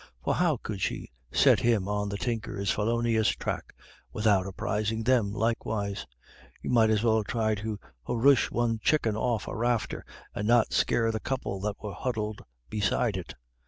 For how could she set him on the Tinker's felonious track without apprising them likewise? You might as well try to huroosh one chicken off a rafter and not scare the couple that were huddled beside it.